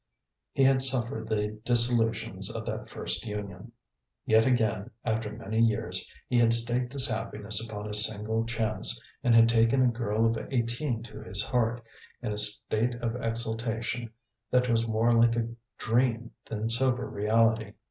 He had suffered the disillusions of that first union. Yet again, after many years, he had staked his happiness upon a single chance, and had taken a girl of eighteen to his heart, in a state of exaltation that was more like a dream than sober reality.